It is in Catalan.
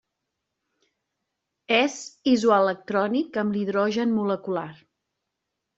És isoelectrònic amb l'hidrogen molecular.